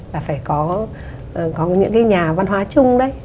là phải có những cái nhà văn hóa chung đấy